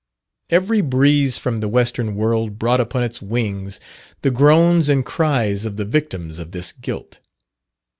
Every breeze from the western world brought upon its wings the groans and cries of the victims of this guilt.